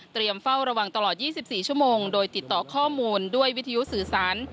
เฝ้าระวังตลอด๒๔ชั่วโมงโดยติดต่อข้อมูลด้วยวิทยุสื่อสาร